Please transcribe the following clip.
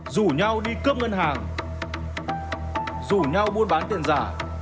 rủ nhau đi cướp ngân hàng rủ nhau buôn bán tiền giả